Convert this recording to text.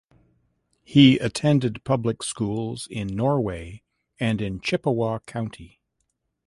He attended public schools in Norway and in Chippewa County.